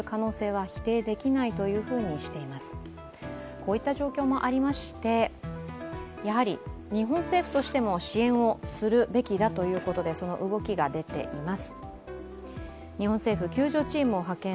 こういった状況もありまして、日本政府としても支援をするべきだということでその動きが出ています。